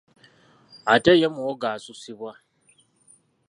Ate ye muwogo asusibwa.